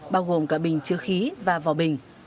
bao gồm cả bình chứa khí và vò bình